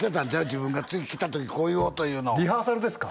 自分が次来た時こう言おうというのをリハーサルですか？